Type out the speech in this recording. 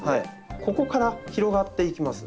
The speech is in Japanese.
ここから広がっていきます。